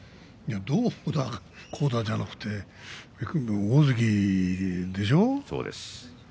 どうだ、こうだじゃなくて大関でしょう？